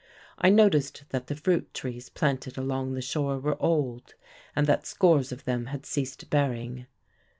I noticed that the fruit trees planted along the shore were old, and that scores of them had ceased bearing.